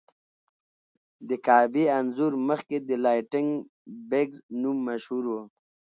د کعبې انځور مخکې د لایټننګ بګز نوم مشهور و.